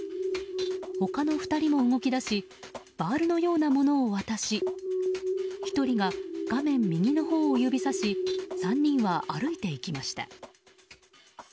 他の２人も動き出しバールのようなものを渡し１人が画面右のほうを指さし３人は歩いていきました。